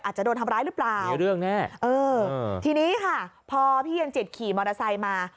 อาจจะโดนทำร้ายหรือเปล่ามีเรื่องแน่เออทีนี้ค่ะพอพี่เย็นจิตขี่มอเตอร์ไซค์มา